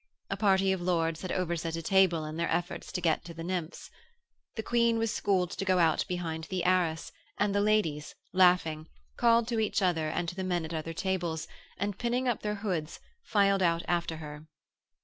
A party of lords had overset a table in their efforts to get to the nymphs. The Queen was schooled to go out behind the arras, and the ladies, laughing, calling to each other and to the men at the other tables, and pinning up their hoods, filed out after her.